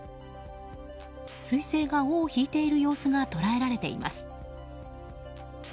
彗星が尾を引いている様子が捉えられています。